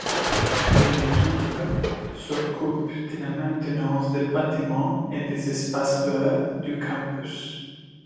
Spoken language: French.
Une équipe s'occupe de la maintenance des bâtiments et des espaces verts du campus.